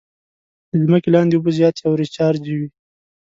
د ځمکې لاندې اوبه زیاتې او ریچارجوي.